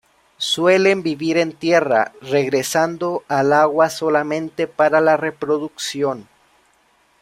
Suelen vivir en tierra, regresando al agua solamente para la reproducción.